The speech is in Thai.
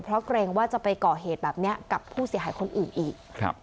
เพราะเกรงว่าจะไปก่อเหตุแบบนี้กับผู้เสียหายคนอื่นอีก